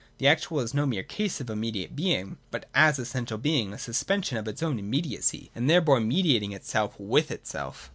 The actual is no mere case of immediate Being, but, as essential Being, a suspension of its own immediacy, and thereby mediating itself with itself.